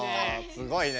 すごいね。